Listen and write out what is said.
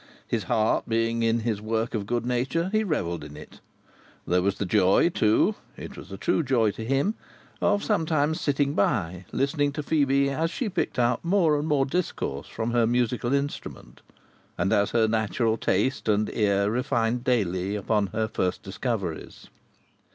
His heart being in his work of good nature, he revelled in it. There was the joy, too (it was a true joy to him), of sometimes sitting by, listening to Phœbe as she picked out more and more discourse from her musical instrument, and as her natural taste and ear refined daily upon her first discoveries.